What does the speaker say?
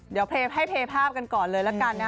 เดี๋ยวให้เยภาพกันก่อนเลยละกันนะ